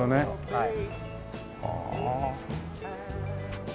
はい。